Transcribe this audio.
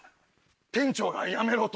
店長がやめろと。